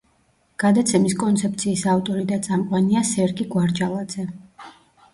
გადაცემის კონცეფციის ავტორი და წამყვანია სერგი გვარჯალაძე.